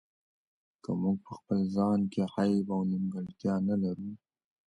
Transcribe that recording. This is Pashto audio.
که موږ په خپل ځان کې عیب او نیمګړتیا نه لرو.